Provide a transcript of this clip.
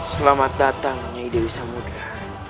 selamat datangnya dewi samudera